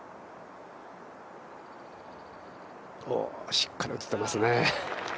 しっかり打ててますね。